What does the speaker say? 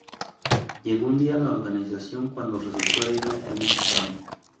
Llegó un día a la organización cuando resultó herido por un disparo.